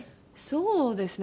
そうですね。